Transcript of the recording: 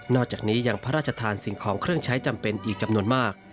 จากนี้ยังพระราชทานสิ่งของเครื่องใช้จำเป็นอีกจำนวนมาก